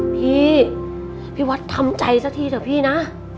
พี่พี่วัดทำใจสักทีเถอะพี่นะ